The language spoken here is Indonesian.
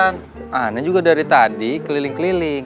nah anda juga dari tadi keliling keliling